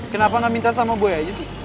kenapa gak minta sama boy aja sih